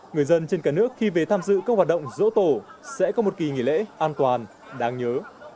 người dân trên cả nước khi về tham dự các hoạt động dỗ tổ sẽ có một kỳ nghỉ lễ an toàn đáng nhớ